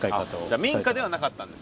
じゃあ民家ではなかったんですね。